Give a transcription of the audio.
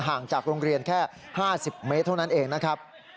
ห่างจากโรงเรียนแค่๕๐เมตรเท่านั้นเองนะครับ